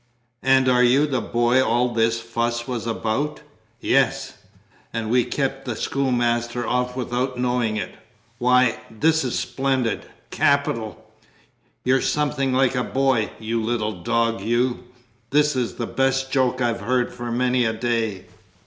"And are you the boy all this fuss was about? Yes? And we kept the schoolmaster off without knowing it! Why, this is splendid, capital! You're something like a boy, you little dog, you! This is the best joke I've heard for many a day!"